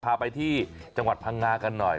พาไปที่จังหวัดพังงากันหน่อย